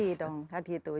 ya pasti dong